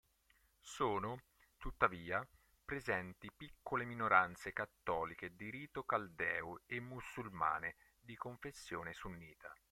Sono, tuttavia, presenti piccole minoranze cattoliche di rito caldeo e musulmane di confessione sunnita.